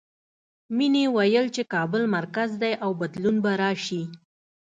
مینې ویل چې کابل مرکز دی او بدلون به راشي